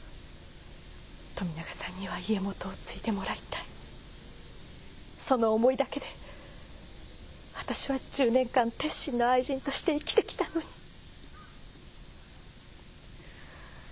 富永さんには家元を継いでもらいたいその思いだけで私は１０年間鉄心の愛人として生きてきたのに。